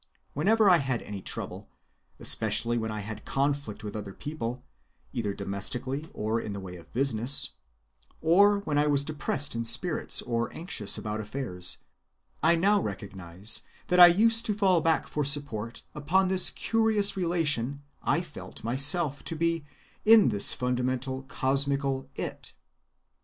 Whenever I had any trouble, especially when I had conflict with other people, either domestically or in the way of business, or when I was depressed in spirits or anxious about affairs, I now recognize that I used to fall back for support upon this curious relation I felt myself to be in to this fundamental cosmical It.